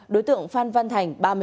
đối tượng phan văn thành